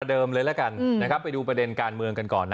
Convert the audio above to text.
เขียนประเดิมเลยละกันไปดูประเด็นการเมืองกันก่อนนะ